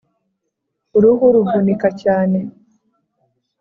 uruhu ruvunika cyane